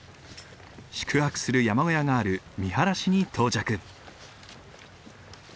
宿泊する山小屋がある見晴に到着。